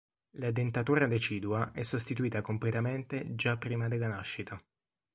La dentatura decidua è sostituita completamente già prima della nascita.